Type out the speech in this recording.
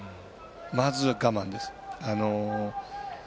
まずは我慢です。